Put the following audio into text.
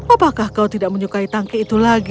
apakah kau tidak menyukai tangki itu lagi